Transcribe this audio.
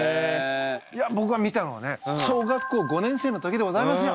いやぼくが見たのはね小学校５年生の時でございますよ。